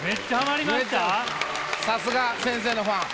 さすが先生のファン。